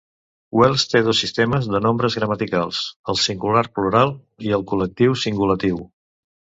Welsh té dos sistemes de nombres gramaticals: el singular-plural i el col·lectiu-singulatiu.